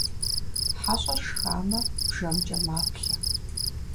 ХьэщIэр шхамэ, бжэмкIэ маплъэ